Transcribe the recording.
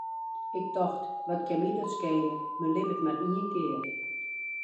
Ik tocht, wat kin my dat skele, men libbet mar ien kear.